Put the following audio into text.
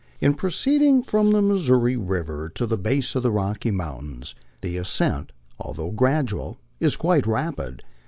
In proceeding from the Missouri river to the base of the Rocky Mountains, the ascent, although gradual, is quite rapid.